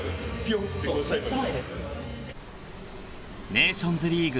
［ネーションズリーグ